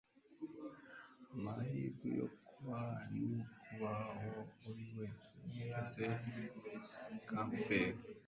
amahirwe yo kubaho ni ukuba uwo uri we. - joseph campbell